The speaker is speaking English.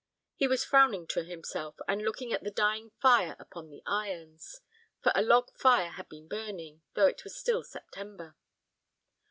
He was frowning to himself, and looking at the dying fire upon the irons, for a log fire had been burning, though it was still September.